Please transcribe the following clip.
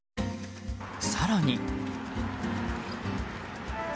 更に。